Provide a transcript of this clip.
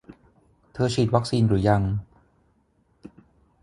เธอฉีดวัคซีนหรือยัง